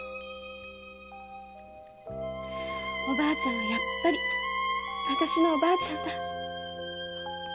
おばあちゃんはやっぱりあたしのおばあちゃんだ。